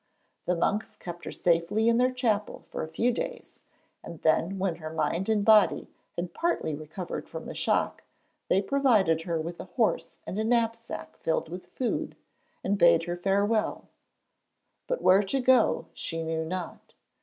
The monks kept her safely in their chapel for a few days, and then, when her mind and body had partly recovered from the shock, they provided her with a horse and a knapsack filled with food, and bade her farewell. But where to go she knew not.